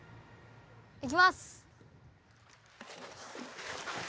いきます！